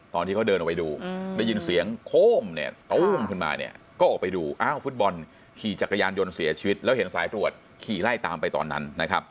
ตอนที่เขาเดินออกไปดูได้ยินเสียงโค้มเนี่ยตู้มขึ้นมาเนี่ยก็ออกไปดูอ้าวฟุตบอลขี่จักรยานยนต์เสียชีวิตแล้วเห็นสายตรวจขี่ไล่ตามไปตอนนั้นนะครับ